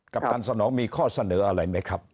ปตันสนองมีข้อเสนออะไรไหมครับ